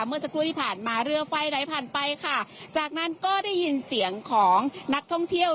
เมื่อสักครู่ที่ผ่านมาเรือไฟไหลผ่านไปค่ะจากนั้นก็ได้ยินเสียงของนักท่องเที่ยว